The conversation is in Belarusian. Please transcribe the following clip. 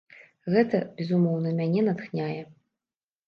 Гэта, безумоўна, мяне натхняе.